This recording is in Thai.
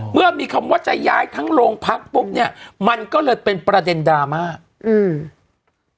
เมื่อมีคำว่าจะย้ายทั้งโรงพักปุ๊บเนี้ยมันก็เลยเป็นประเด็นดราม่าอืม